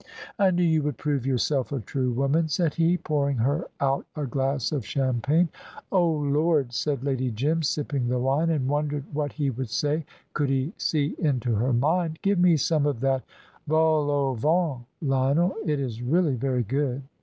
"I knew you would prove yourself a true woman," said he, pouring her out a glass of champagne. "Oh, Lord!" said Lady Jim, sipping the wine, and wondered what he would say could he see into her mind. "Give me some of that vol au vent, Lionel. It is really very good."